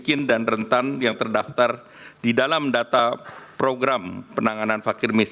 ini juga diberlakukan januari dua ribu dua puluh empat